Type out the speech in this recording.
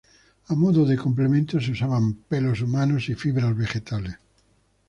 A modo de complemento, se usaban pelos humanos y fibras vegetales.